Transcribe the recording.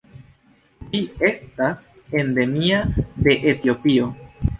Ĝi estas endemia de Etiopio.